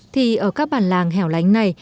thì ở các bản làng hẻo lánh này